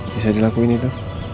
bisa dilakuin itu